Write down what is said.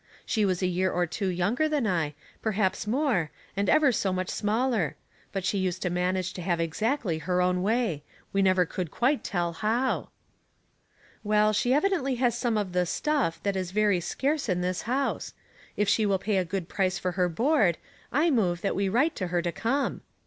She was a 3ear or two younger than I, perhaps more, and ever so much smaller ; but she used to manage to have exactly her own way. We never could quite tell how." "■Well, she evidently has some of the 'stuff* that is very scarce in this house. If she will pay a good price for her board, I move that we write to her to come."